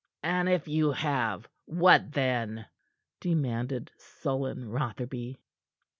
"And if you have what then?" demanded sullen Rotherby.